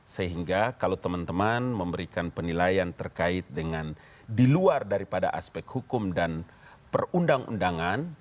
sehingga kalau teman teman memberikan penilaian terkait dengan di luar daripada aspek hukum dan perundang undangan